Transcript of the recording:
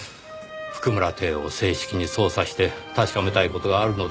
譜久村邸を正式に捜査して確かめたい事があるのですがねぇ。